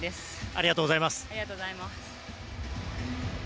ありがとうございます。